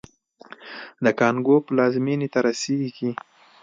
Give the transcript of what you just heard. د کانګو پلازمېنې ته رسېږي.